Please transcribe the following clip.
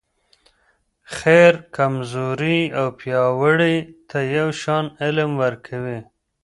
خير کمزورې او پیاوړي ته یو شان علم ورکوي.